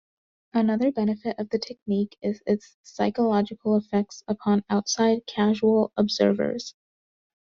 Another benefit of the technique is its psychological effects upon outside, casual observers.